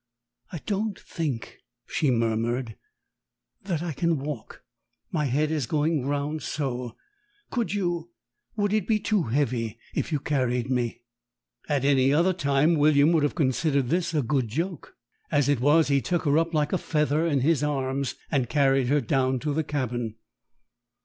"I don't think," she murmured, "that I can walk. My head is going round so. Could you would it be too heavy if you carried me?" At any other time William would have considered this a good joke. As it was he took her up like a feather in his arms and carried her down to the cabin.